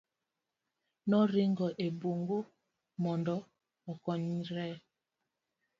noringo e bungu mondo okonyre